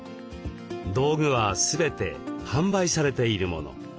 道具は全て販売されているもの。